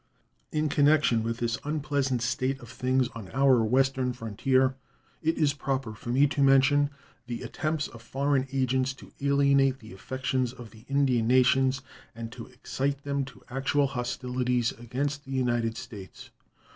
In connection with this unpleasant state of things on our western frontier it is proper for me to mention the attempts of foreign agents to alienate the affections of the Indian nations and to excite them to actual hostilities against the United States.